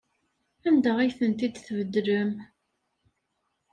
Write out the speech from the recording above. Anda ay tent-id-tbeddlem?